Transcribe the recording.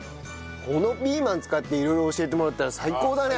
このピーマン使って色々教えてもらったら最高だね。